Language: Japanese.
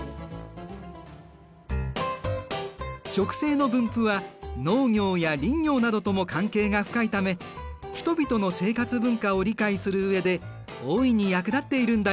植生の分布は農業や林業などとも関係が深いため人々の生活文化を理解する上で大いに役立っているんだよ。